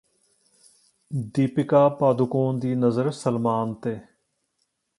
ਦੀਪਿਕਾ ਪਾਦੂਕੋਨ ਦੀ ਨਜ਼ਰ ਸਲਮਾਨ ਤੇ